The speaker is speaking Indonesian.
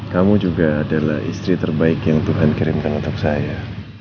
kamu juga adalah istri terbaik yang tuhan kirimkan untuk saya